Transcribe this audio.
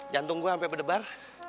jantung gue sampe berdebar